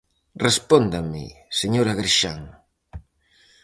Respóndame, señor Agrexán.